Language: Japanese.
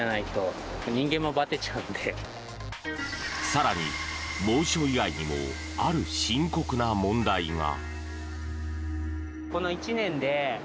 更に、猛暑以外にもある深刻な問題が。